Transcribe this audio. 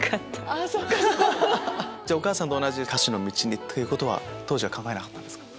お母さんと同じ歌手の道とは当時は考えなかったんですか？